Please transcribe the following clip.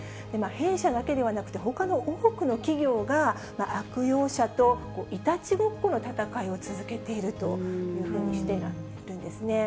弊社だけではなくて、ほかの多くの企業が、悪用者といたちごっこの戦いを続けているというふうにしているんですね。